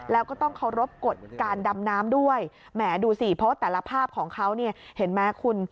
แล้วก็ต้องเคารพกฎการดำน้ำด้วยแหมดูสิเพราะแต่ละภาพของเขาเนี่ยเห็นไหมคุณ